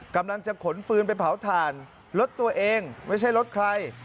กำลังจะขนฟืนไปเผาถ่านรถตัวเองไม่ใช่รถใคร